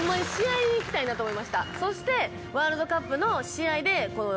そして。